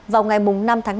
vào ngày năm tháng năm